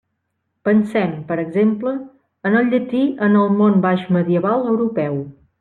Pensem, per exemple, en el llatí en el món baixmedieval europeu.